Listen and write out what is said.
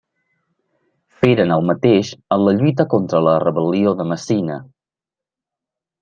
Feren el mateix en la lluita contra la rebel·lió de Messina.